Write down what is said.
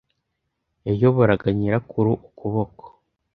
Yayoboraga nyirakuru ukuboko.